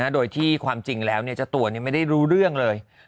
โดยที่ความจริงแล้วเจ้าตัวไม่ได้รู้เรื่องเลย